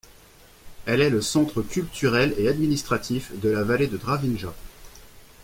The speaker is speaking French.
Elle est le centre culturel et administratif de la vallée de Dravinja.